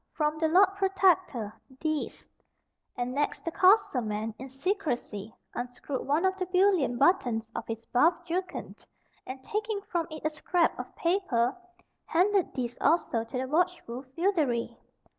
From the Lord Protector, THESE:" And next, the courser man, in secrecy, unscrewed one of the bullion buttons on his buff jerkin, and taking from it a scrap of paper, handed this also to the watchful feodary.